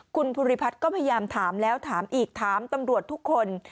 คุณภูริพัฒน์ก็พยายามถามแล้วถามอีกถามตำรวจทุกคน